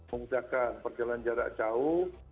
menggunakan perjalanan jarak jauh